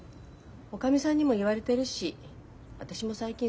おかみさんにも言われてるし私も最近そう思ってきた。